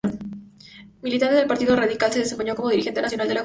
Militante del Partido Radical, se desempeñó como dirigente nacional de la Juventud.